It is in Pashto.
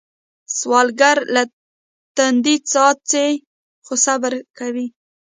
سوالګر له تندي څاڅي خو صبر کوي